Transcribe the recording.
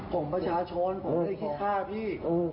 ผมประชาชนผมไม่ได้คิดฆ่าพี่